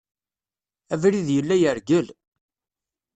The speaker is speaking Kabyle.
Abrid yella yergel.